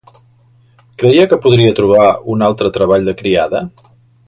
Creia que podria trobar un altre treball de criada?